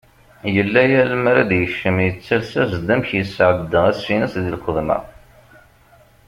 Yella yal mi ara d-yekcem yettales-as- d amek yesɛedda ass-ines di lxedma.